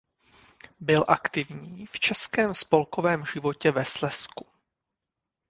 Byl aktivní v českém spolkovém životě ve Slezsku.